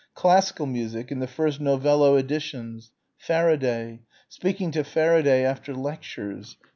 classical music in the first Novello editions ... Faraday ... speaking to Faraday after lectures.